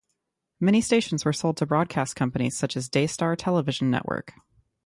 Many stations were sold to broadcast companies such as Daystar Television Network.